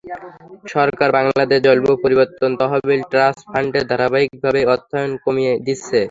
সরকার বাংলাদেশ জলবায়ু পরিবর্তন তহবিল ট্রাস্ট ফান্ডে ধারাবাহিকভাবে অর্থায়ন কমিয়ে দিচ্ছে।